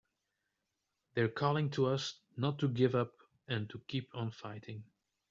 They're calling to us not to give up and to keep on fighting!